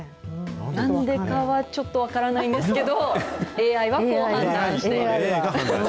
なんでかはちょっと分からないんですけど、ＡＩが判断してるんですね。